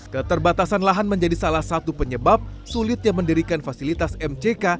keterbatasan lahan menjadi salah satu penyebab sulitnya mendirikan fasilitas mck